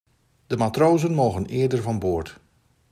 De matrozen mogen eerder van boord.